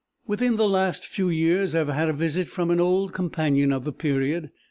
"Within the last few years I have had a visit from an old companion of the period.